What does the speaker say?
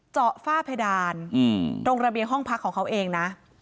ฝ้าเพดานตรงระเบียงห้องพักของเขาเองนะ